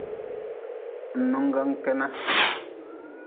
Ngnonggan kena.